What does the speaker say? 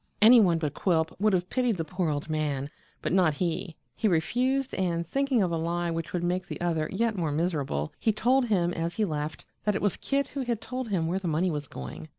Any one but Quilp would have pitied the poor old man, but not he. He refused, and thinking of a lie which would make the other yet more miserable, he told him as he left that it was Kit who had told him where the money was going.